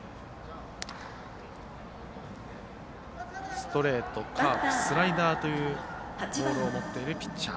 ストレート、カーブスライダーというボールを持っているピッチャー。